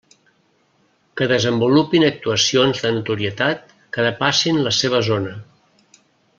Que desenvolupin actuacions de notorietat que depassin la seva zona.